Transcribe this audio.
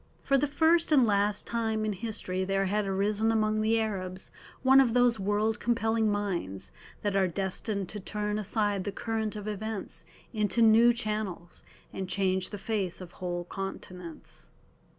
For the first and last time in history there had arisen among the Arabs one of those world compelling minds that are destined to turn aside the current of events into new channels, and change the face of whole continents.